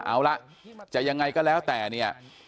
เอาละจะยังไงก็แล้วแต่เนี่ย